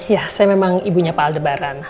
ya saya memang ibunya pak aldebaran